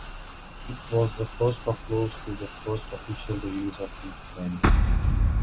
It was the first or close to the first official release of each band.